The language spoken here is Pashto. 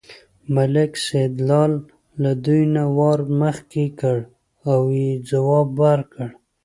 ملک سیدلال له دوی نه وار مخکې کړ او یې ځواب ورکړ.